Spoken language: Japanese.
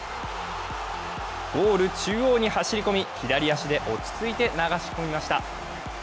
ゴール中央に走り込み、左足で落ち着いて流し込みました。